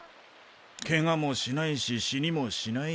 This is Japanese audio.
ケガもしないし死にもしない。